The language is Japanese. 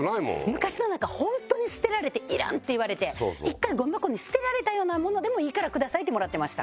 昔のなんかホントに捨てられていらんって言われて一回ゴミ箱に捨てられたようなものでもいいからくださいってもらってました。